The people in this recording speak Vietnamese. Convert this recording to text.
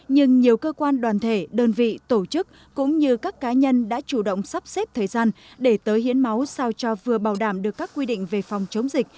nhưng nhiều cơ quan đoàn thể đơn vị tổ chức cũng như các cá nhân đã chủ động sắp xếp thời gian để tới hiến máu sao cho vừa bảo đảm được các quy định về phòng chống dịch